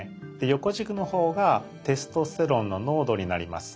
横軸のほうがテストステロンの濃度になります。